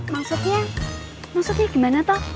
maksudnya maksudnya gimana tau